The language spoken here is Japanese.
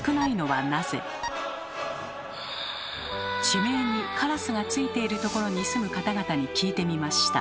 地名に「烏」がついているところに住む方々に聞いてみました。